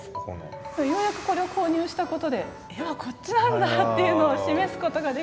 ようやくこれを購入したことで「絵はこっちなんだ！」っていうのを示すことができて。